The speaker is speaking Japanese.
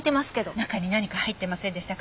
中に何か入ってませんでしたか？